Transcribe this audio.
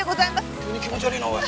急に気持ち悪いなおい。